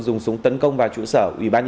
dùng súng tấn công vào chủ sở